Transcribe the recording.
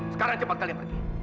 sekarang cepat kalian pergi